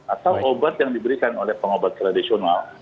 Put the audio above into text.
atau obat yang diberikan oleh pengobat tradisional